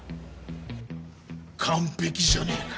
完璧じゃねえか。